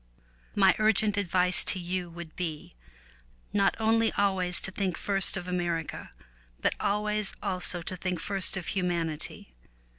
My urgent advice to you would be not only always to think first of America, but always also to think first of humanity.